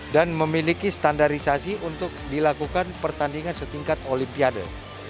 dan memiliki standarisasi untuk dilakukan pertandingan setingkat olimpiade